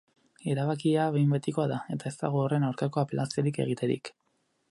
Erabakia behin betikoa da, eta ez dago horren aurkako apelaziorik egiterik.